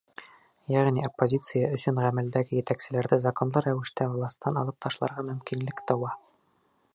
Йәғни оппозиция өсөн ғәмәлдәге етәкселәрҙе законлы рәүештә властан алып ташларға мөмкинлек тыуа.